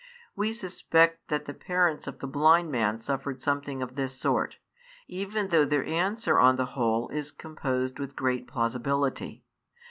We suspect that the parents of the blind man suffered something of this sort, even though their answer on the whole is composed with great plausibility.